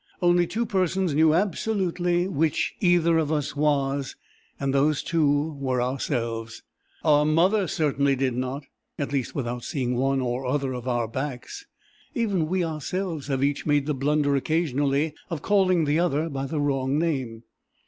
Only two persons knew absolutely which either of us was, and those two were ourselves. Our mother certainly did not at least without seeing one or other of our backs. Even we ourselves have each made the blunder occasionally of calling the other by the wrong name.